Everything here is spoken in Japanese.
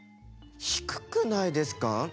低くないですか？